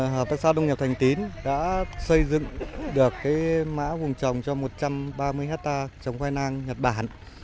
hợp tác xã đông nhập thành tín đã xây dựng được mã vùng trồng cho một trăm ba mươi hectare trong khoai lang nhật bản